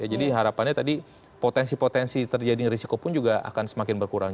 harapannya tadi potensi potensi terjadinya risiko pun juga akan semakin berkurang